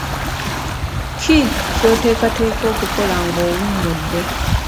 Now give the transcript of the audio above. Ki ky'oteekateeka okukola ng'owummudde?